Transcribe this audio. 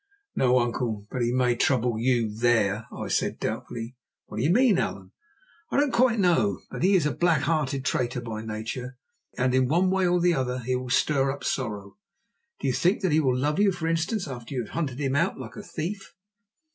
"No, uncle, but he may trouble you there," I said doubtfully. "What do you mean, Allan?" "I don't quite know, but he is black hearted, a traitor by nature, and in one way or the other he will stir up sorrow. Do you think that he will love you, for instance, after you have hunted him out like a thief?"